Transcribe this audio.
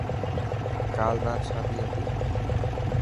ڪال رات شادي هتي.